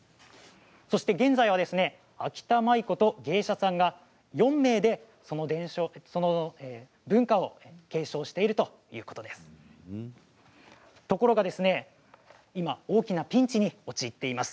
現在はあきた舞妓と芸者さん４名でその文化を継承しているということです。